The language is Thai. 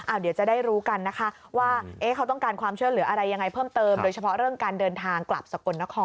เดี๋ยวจะได้รู้กันนะคะว่าเขาต้องการความช่วยเหลืออะไรยังไงเพิ่มเติมโดยเฉพาะเรื่องการเดินทางกลับสกลนคร